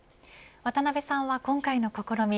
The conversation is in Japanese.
渡辺さんは今回の試み